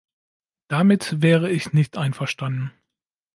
Damit wäre ich nicht einverstanden.